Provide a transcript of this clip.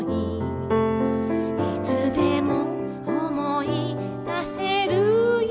「いつでも思い出せるよ」